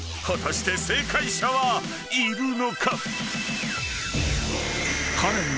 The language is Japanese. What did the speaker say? ［果たして正解者はいるのか？］